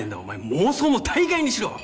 妄想も大概にしろ！